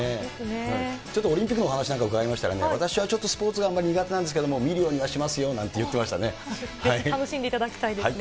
ちょっとオリンピックのお話なんかも伺いましたら、私はスポーツがあんまり苦手なんですけれども、見るようにはしますよなんて言っ楽しんでいただきたいですね。